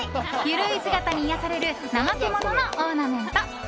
ゆるい姿に癒やされるナマケモノのオーナメント。